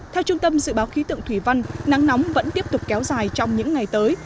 theo trung tâm dự báo khí tượng thủy văn nắng nóng vẫn tiếp tục kéo dài trong những ngày tới